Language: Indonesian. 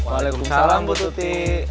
waalaikumsalam bu tuti